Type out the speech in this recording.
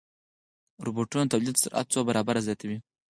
روبوټونه د تولید سرعت څو برابره زیاتوي.